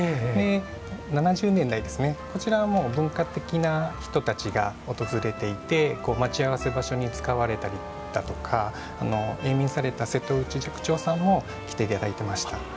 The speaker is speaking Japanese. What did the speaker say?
で７０年代ですねこちらはもう文化的な人たちが訪れていて待ち合わせ場所に使われたりだとか永眠された瀬戸内寂聴さんも来て頂いてました。